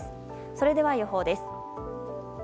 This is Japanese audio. それでは予報です。